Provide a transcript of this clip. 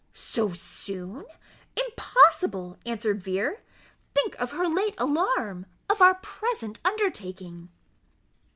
"So soon? impossible," answered Vere; "think of her late alarm of our present undertaking."